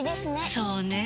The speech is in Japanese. そうねぇ。